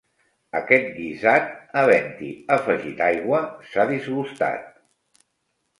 Aquest guisat, havent-hi afegit aigua, s'ha disgustat.